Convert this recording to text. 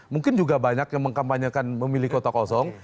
mungkin juga banyak yang mengkampanyekan memilih kota kosong